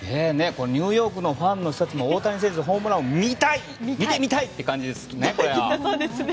ニューヨークのファンの人たちも大谷選手のホームランを見たい！っていう感じですね。